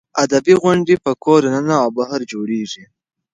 ادبي غونډې په کور دننه او بهر جوړېږي.